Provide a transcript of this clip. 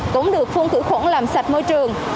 cũng được phung khử quận làm sạch môi trường